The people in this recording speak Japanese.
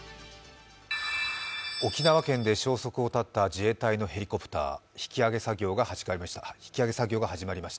沖縄県で消息を絶った自衛隊のヘリコプター、引き揚げ作業が始まりました。